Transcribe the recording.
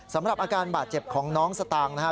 สำหรับอาการบาดเจ็บของน้องสตางค์นะฮะ